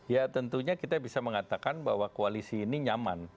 ya tentunya kita bisa mengatakan bahwa koalisi ini nyaman